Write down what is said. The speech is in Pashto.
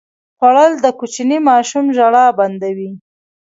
خوړل د کوچني ماشوم ژړا بنده وي